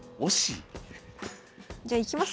じゃあいきます